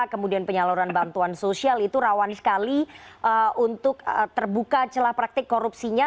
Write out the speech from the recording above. kemudian penyaluran bantuan sosial itu rawan sekali untuk terbuka celah praktik korupsinya